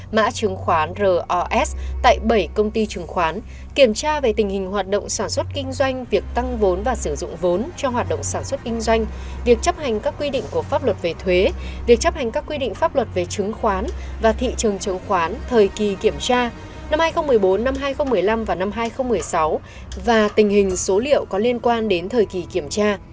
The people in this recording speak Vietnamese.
mã chứng khoán ros tại bảy công ty chứng khoán kiểm tra về tình hình hoạt động sản xuất kinh doanh việc tăng vốn và sử dụng vốn cho hoạt động sản xuất kinh doanh việc chấp hành các quy định của pháp luật về thuế việc chấp hành các quy định pháp luật về chứng khoán và thị trường chứng khoán thời kỳ kiểm tra năm hai nghìn một mươi bốn năm hai nghìn một mươi năm và năm hai nghìn một mươi sáu và tình hình số liệu có liên quan đến thời kỳ kiểm tra